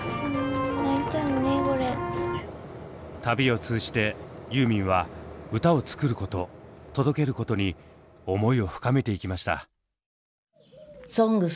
旅を通じてユーミンは歌を作ること届けることに思いを深めていきました。